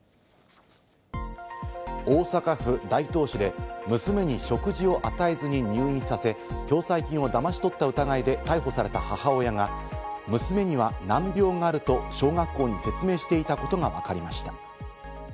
大阪府大東市で娘に食事を与えずに入院させ、共済金をだまし取った疑いで逮捕された母親が娘には難病があると小学校に説明していたことがわかりました。